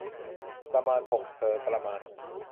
ประมาณหก เธอประมาณ